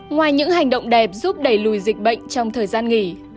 ngoài những hành động đẹp giúp đẩy lùi dịch bệnh trong thời gian nghỉ